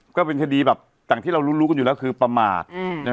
ก็เป็นคดีแบบอย่างที่เรารู้กันอยู่แล้วคือประมาท